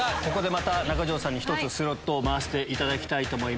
また中条さんに１つスロットを回していただきます。